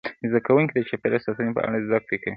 زده کوونکي د چاپیریال ساتنې په اړه زده کړه کوي.